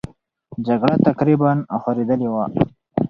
جګړه تقریبا خورېدلې وه.